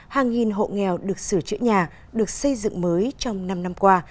hàng nghìn hộ nghèo được sửa chữa nhà được xây dựng mới trong năm năm qua